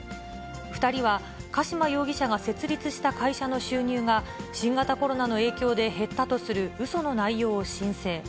２人は、加島容疑者が設立した会社の収入が新型コロナの影響で減ったとするうその内容を申請。